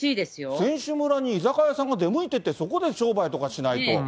選手村に居酒屋さんが出向いていって、そこで商売とかしないと。